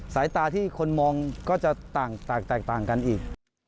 สายตาที่คนมองก็จะต่างแตกต่างกันอีก